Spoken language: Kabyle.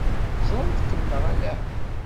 Ẓṛant-kem neɣ ala?